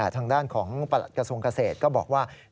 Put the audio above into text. ทางด้านของกระทรวงเกษตรก็บอกว่า